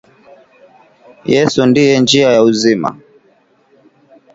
Yesu Ndiye njia ya uzima.